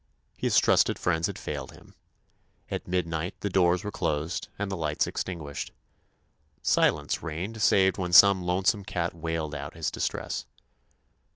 His trusted friends had failed him. At midnight the doors were closed and the lights extinguished. Silence reigned save when some lone some cat wailed out his distress.